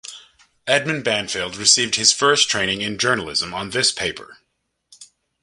Edmund Banfield received his first training in journalism on this paper.